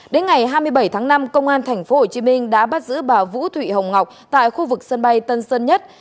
đến ngày hai mươi bảy tháng năm công an tp hcm đã bắt giữ bà vũ thị hồng ngọc tại khu vực sân bay tân sơn nhất